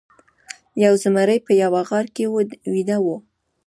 یو زمری په یوه غار کې ویده و.